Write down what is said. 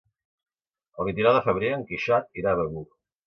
El vint-i-nou de febrer en Quixot irà a Begur.